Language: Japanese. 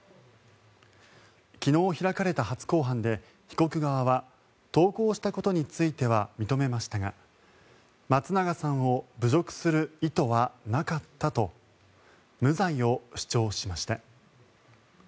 昨日開かれた初公判で被告側は投稿したことについては認めましたが松永さんを侮辱する意図はなかったと無罪を主張しました。